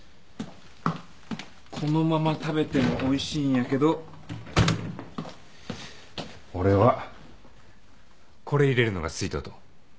このまま食べてもおいしいんやけど俺はこれ入れるのが好いとうと。